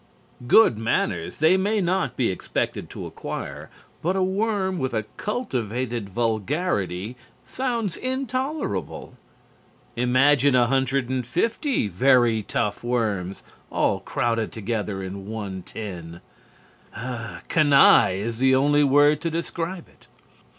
Good manners they may not be expected to acquire, but a worm with a cultivated vulgarity sounds intolerable. Imagine 150 very tough worms all crowded together in one tin! "Canaille" is the only word to describe it.